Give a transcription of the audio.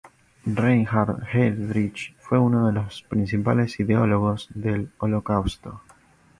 Reinhard Heydrich fue uno de los principales ideólogos del Holocausto.